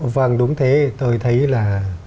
vâng đúng thế tôi thấy là